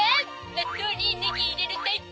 納豆にネギ入れるタイプ？」